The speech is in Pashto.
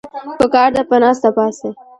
پکار ده چې پۀ ناسته پاسته